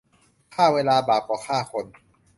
ฆ่าเวลาบาปกว่าฆ่าคน